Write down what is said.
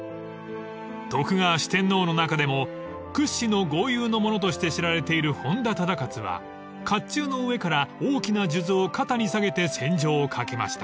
［徳川四天王の中でも屈指の剛勇の者として知られている本多忠勝は甲冑の上から大きな数珠を肩に下げて戦場を駆けました］